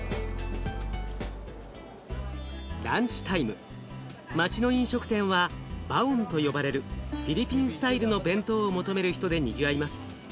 ランチタイム街の飲食店はバオンと呼ばれるフィリピンスタイルの弁当を求める人でにぎわいます。